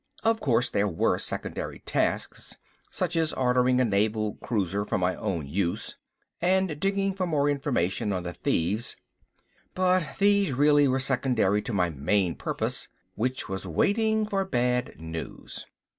Of course there were secondary tasks, such as ordering a Naval cruiser for my own use, and digging for more information on the thieves, but these really were secondary to my main purpose. Which was waiting for bad news.